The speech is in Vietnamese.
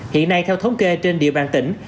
hiện nay theo thống kê trên địa bàn tỉnh